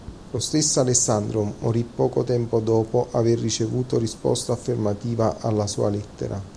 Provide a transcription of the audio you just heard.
Lo stesso Alessandro morì poco tempo dopo aver ricevuto risposta affermativa alla sua lettera.